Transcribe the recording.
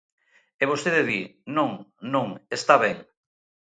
E vostede di: Non, non, está ben.